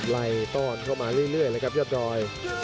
ต้อนเข้ามาเรื่อยเลยครับยอดดอย